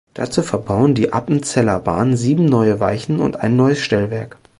Dazu verbauen die Appenzeller Bahnen sieben neue Weichen und ein neues Stellwerk.